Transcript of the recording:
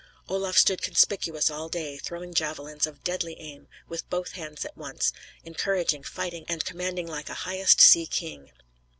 Olaf stood conspicuous all day, throwing javelins, of deadly aim, with both hands at once; encouraging, fighting, and commanding like a highest sea king.